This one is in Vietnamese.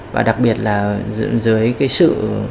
và đặc biệt là dưới cái sự